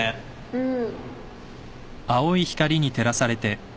うん。